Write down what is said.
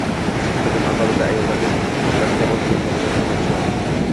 So`zim avvalida ayollarga bir savol bilan murojaat qilmoqchiman